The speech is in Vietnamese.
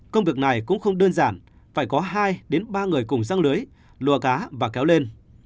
công việc này cũng không đơn giản phải có hai ba người cùng răng lưới cá và kéo lên